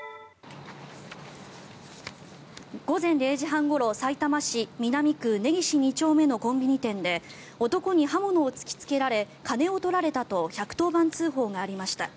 午前０時半ごろさいたま市南区根岸２丁目のコンビニ店で男に刃物を突きつけられ金を取られたと１１０番通報がありました。